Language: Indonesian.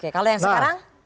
kalau yang sekarang